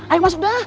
ayo masuk dah